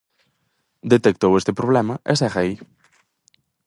Detectou este problema, e segue aí.